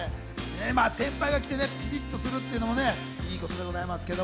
先輩が来てね、ピッとするっていうのもね、いいことでございますけど。